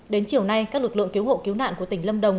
đến chiều nay các lực lượng cứu hộ cứu nạn của tỉnh lâm đồng